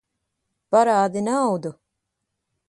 Parādi naudu!